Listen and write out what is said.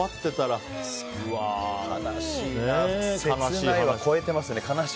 切ないを超えてますね。